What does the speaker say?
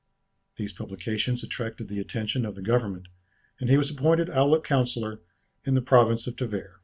These publications attracted the attention of the government, and he was appointed Aulic Councillor in the province of Tever.